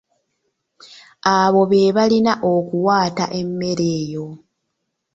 Abo be balina okuwaata emmere eyo.